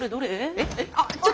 えっ？